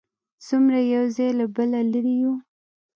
څومره یو ځای له بله لرې و.